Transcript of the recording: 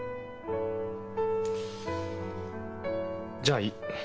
じゃあいい。